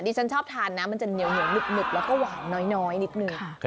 ฉันชอบทานนะมันจะเหนียวหนึบแล้วก็หวานน้อยนิดนึง